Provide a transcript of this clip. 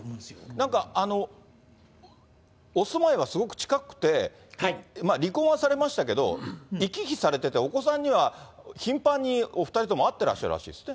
なんか、お住まいはすごく近くて、離婚はされましたけど、行き来されてて、お子さんには頻繁にお２人とも会ってらっしゃるらしいですね。